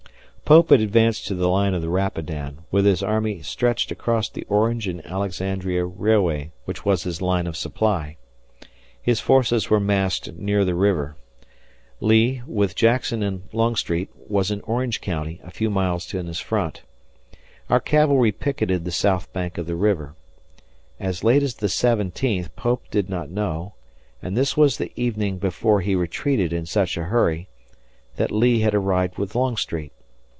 Pope had advanced to the line of the Rapidan, with his army stretched across the Orange and Alexandria Railway, which was his line of supply. His forces were massed near the river. Lee, with Jackson and Longstreet, was in Orange County a few miles in his front. Our cavalry picketed the south bank of the river. As late as the seventeenth Pope did not know and this was the evening before he retreated in such a hurry that Lee had arrived with Longstreet.